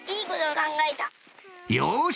よし！